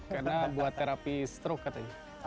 karena buat terapi stroke katanya